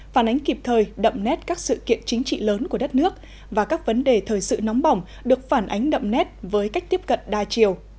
phản ánh kịp thời đậm nét các sự kiện chính trị lớn của đất nước và các vấn đề thời sự nóng bỏng được phản ánh đậm nét với cách tiếp cận đa chiều